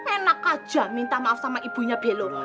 enak aja minta maaf sama ibunya belo